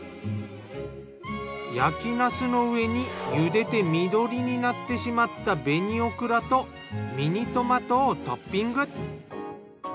焼きなすの上に茹でて緑になってしまった紅オクラとミニトマトをトッピング。